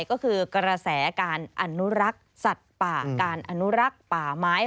ก็คือกระแสการอนุรักษ์สัตว์ป่าการอนุรักษ์ป่าไม้